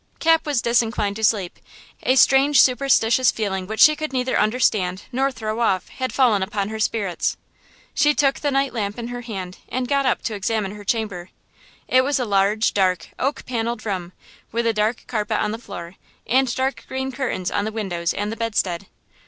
Cap was disinclined to sleep; a strange superstitious feeling which she could neither understand nor throw off had fallen upon her spirits. She took the night lamp in her hand and got up to examine her chamber. It was a large, dark, oak paneled room, with a dark carpet on the floor and dark green curtains on the windows and the bedstead.